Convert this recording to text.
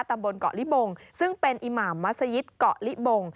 ตำบลเกาะลิบงซึ่งเป็นอิหมามมัศยิตเกาะลิบง